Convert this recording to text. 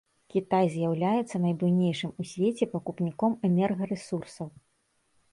Кітай з'яўляецца найбуйнейшым у свеце пакупніком энергарэсурсаў.